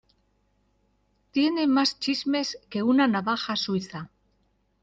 Tiene más chismes que una navaja suiza.